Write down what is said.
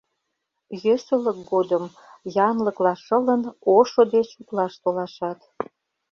Йӧсылык годым, янлыкла шылын, ошо деч утлаш толашат.